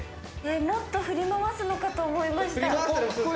もっと振りまわすのかと思いました。